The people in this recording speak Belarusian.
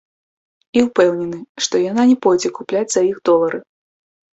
І ўпэўнены, што яна не пойдзе купляць за іх долары.